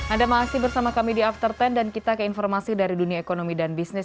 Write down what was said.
anda masih bersama kami di after sepuluh dan kita ke informasi dari dunia ekonomi dan bisnis